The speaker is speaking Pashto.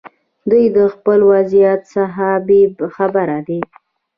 دوی د خپل وضعیت څخه بې خبره دي.